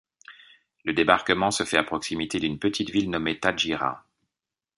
Le débarquement se fait à proximité d'une petite ville nommée Tadjira.